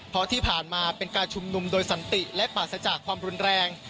เพราะที่ผ่านมาเป็นการชุมนุมโดยสันติและปราศจากความรุนแรง